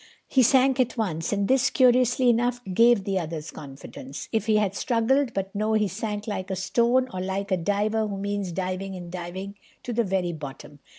He sank at once. And this, curiously enough, gave the others confidence. If he had struggled—but no—he sank like a stone, or like a diver who means diving and diving to the very bottom.